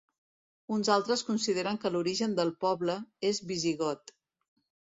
Uns altres consideren que l'origen del poble és visigot.